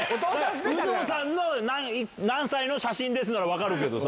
有働さんの何歳の写真ですなら分かるけどさ。